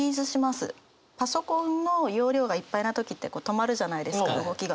パソコンの容量がいっぱいな時って止まるじゃないですか動きが。